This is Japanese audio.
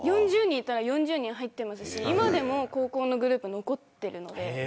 ４０人いたら４０人入っていますし今でも高校のグループ残っていて。